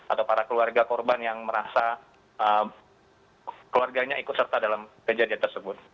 atau para keluarga korban yang merasa keluarganya ikut serta dalam kejadian tersebut